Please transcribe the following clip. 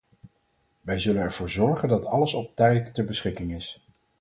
Wij zullen ervoor zorgen dat alles op tijd ter beschikking is.